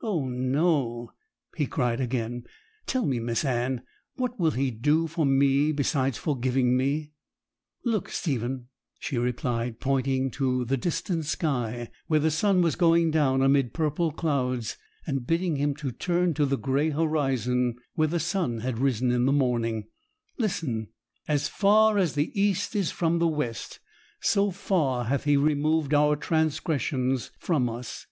'Oh no!' he cried again. 'Tell me, Miss Anne, what will He do for me besides forgiving me?' 'Look, Stephen,' she replied, pointing to the distant sky where the sun was going down amid purple clouds, and bidding him turn to the grey horizon where the sun had risen in the morning; 'listen: "As far as the east is from the west, so far hath He removed our transgressions from us."